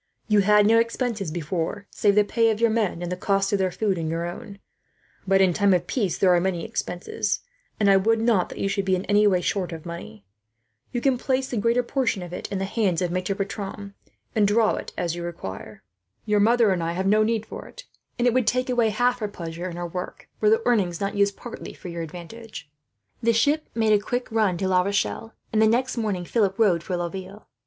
You had no expenses before, save the pay of your men, and the cost of their food and your own; but in time of peace there are many expenses, and I would not that you should be, in any way, short of money. You can place the greater portion of it in the hands of Maitre Bertram, and draw it as you require. At any rate, it is better in your hands than lying in that chest in the corner. Your mother and I have no need for it, and it would take away half her pleasure in her work, were the earnings not used partly for your advantage." The ship made a quick run to La Rochelle, and the next morning Philip rode for Laville.